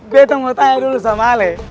biar aku mau tanya dulu sama ale